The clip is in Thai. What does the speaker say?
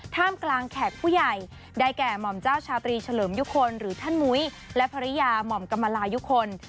ท่ามกลางแขกผู้ใหญ่ได้แก่หม่อมเจ้าชาตรีเฉลิมยุคลหรือท่านมุ้ยและภรรยาหม่อมกำลายุคล